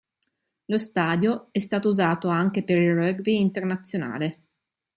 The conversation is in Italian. Lo stadio è stato usato anche per il rugby internazionale.